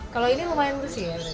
kalau ini lumayan bersih ya